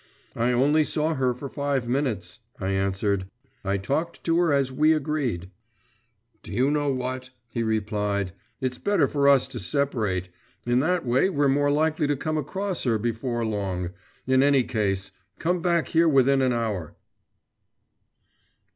'I only saw her for five minutes,' I answered. 'I talked to her as we agreed.' 'Do you know what?' he replied, 'it's better for us to separate. In that way we are more likely to come across her before long. In any case come back here within an hour.